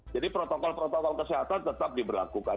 jadi protokol protokol kesehatan tetap diberlakukan